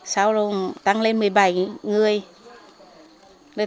sau đó tăng lên một mươi bảy người